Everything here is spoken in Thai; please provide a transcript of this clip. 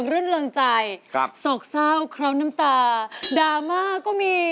ควรรอดก็มาก